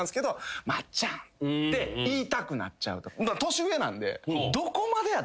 年上なんで。